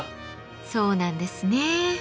そうなんですね。